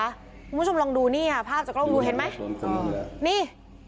คุณผู้ชมลองดูนี่ค่ะภาพจากกล้องดูเห็นไหมนี่